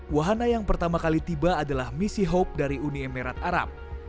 wahana yang pertama kali tiba adalah misi hope dari uni emirat arab